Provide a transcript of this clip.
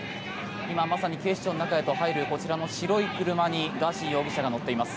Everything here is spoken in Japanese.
今まさに警視庁の中へと入るこちらの白い車にガーシー容疑者が乗っています。